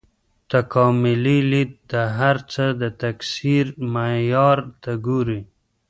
تکاملي لید د هر څه د تکثیر معیار ته ګوري.